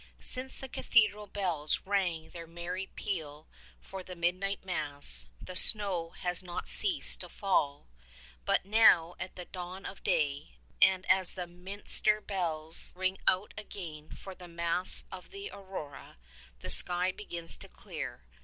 Since the cathedral bells rang their merry peal for the Midnight Mass, the snow has not ceased to fall ; but now at the dawn of day, and as the minster bells ring out again for the Mass of the Aurora, the sky begins to clear.